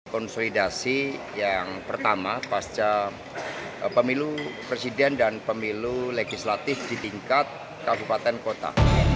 konsolidasi yang pertama pasca pemilu presiden dan pemilu legislatif di tingkat kabupaten kota